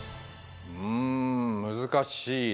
うん難しいな。